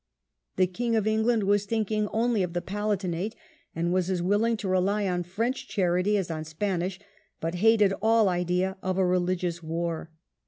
The King of England was thinking only of the Palatinate, and was as willing to rely on French charity as on Spanish, but hated all idea of a religious war.